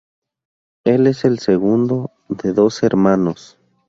El es el segundo de doce hermanos.